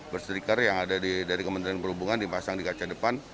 burstiker yang ada dari kementerian perhubungan dipasang di kaca depan